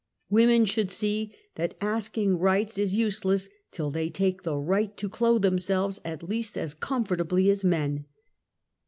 "Women should see that asking rights is useless till they take the right to clothe themselves at least as comfortably as men.